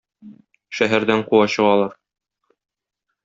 Шәһәрдән куа чыгалар.